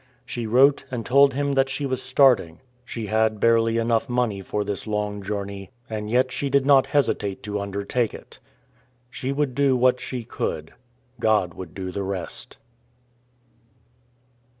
She wrote and told him she was starting. She had barely enough money for this long journey, and yet she did not hesitate to undertake it. She would do what she could. God would do the rest.